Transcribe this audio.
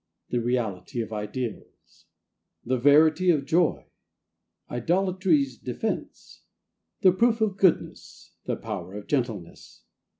The Reality of Ideals. The Verity of Joy. Idolatry's Defense. The Proof of Goodness. The Power of Gentleness.